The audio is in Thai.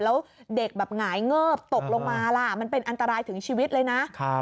แล้วเด็กแบบหงายเงิบตกลงมาล่ะมันเป็นอันตรายถึงชีวิตเลยนะ